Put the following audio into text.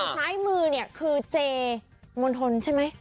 ซ้ายมือเนี่ยคือเจมณฑลใช่ไหม